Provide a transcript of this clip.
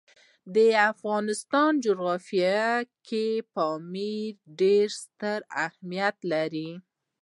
د افغانستان په جغرافیه کې پامیر ډېر ستر اهمیت لري.